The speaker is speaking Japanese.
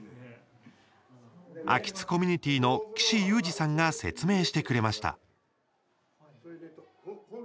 秋津コミュニティの岸裕司さんが説明してくれました。